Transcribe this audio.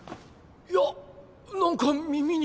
いやなんか耳に。